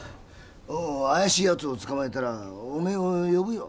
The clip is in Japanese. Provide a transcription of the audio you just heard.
怪しい奴を捕まえたらお前を呼ぶよ。